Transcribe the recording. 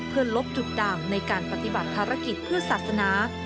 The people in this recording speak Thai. เพื่อลบจุดด่างในการปฏิบัติภารกิจเพื่อศาสนา